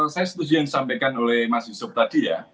saya setuju yang disampaikan oleh mas yusuf tadi ya